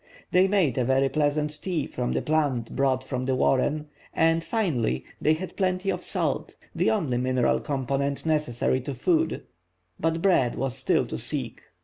They made a very pleasant tea from the plant brought from the warren; and, finally, they had plenty of salt, the only mineral component necessary to food—but bread was still to seek.